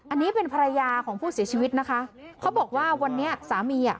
อันนี้เป็นภรรยาของผู้เสียชีวิตนะคะเขาบอกว่าวันนี้สามีอ่ะ